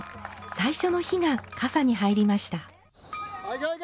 最初の火が、かさに入りました。